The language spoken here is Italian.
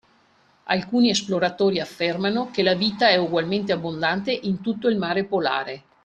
Alcuni esploratori affermano che la vita è ugualmente abbondante in tutto il mare polare